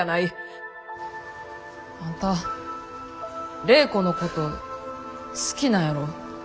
あんた礼子のこと好きなんやろ？